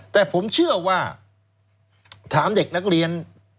แต่ผมเชื่อว่าถามเด็กนักเรียน